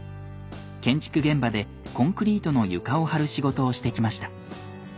建築現場でコンクリートの床を張る仕事をしてきました。